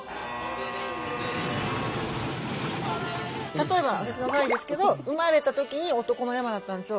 例えば私の場合ですけど生まれた時に男の山だったんですよ。